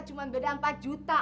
cuma beda empat juta